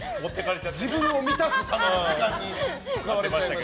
自分を満たすための時間に使われちゃいました。